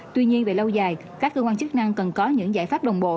tuy nhiên về lâu dài các cơ quan chức năng cần có những giải pháp đồng bộ